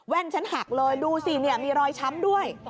แว่นฉันหักเลยดูสิมีรอยช้ำด้วย